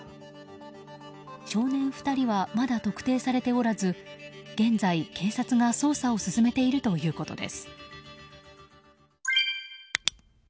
少年２人はまだ特定されておらず現在、警察が捜査を進めているということです。